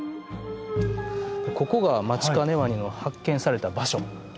ここがマチカネワニの発見された場所。